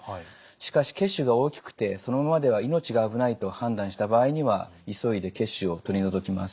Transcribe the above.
しかし血腫が大きくてそのままでは命が危ないと判断した場合には急いで血腫を取り除きます。